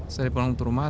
saya pulang ke rumah